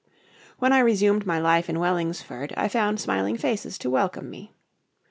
When I resumed my life in Wellingsford I found smiling faces to welcome me.